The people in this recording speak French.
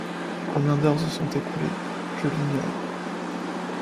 Combien d’heures se sont écoulées, je l’ignore...